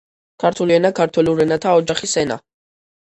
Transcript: ქართული ენა — ქართველურ ენათა ოჯახის ენა.